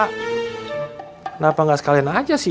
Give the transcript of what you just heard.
kenapa nggak sekalian aja sih